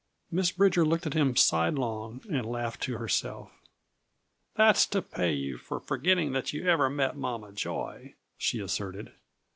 Miss Bridger looked at him sidelong and laughed to herself. "That's to pay you for forgetting that you ever met Mama Joy," she asserted.